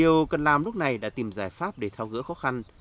ubnd lúc này đã tìm giải pháp để thao gỡ khó khăn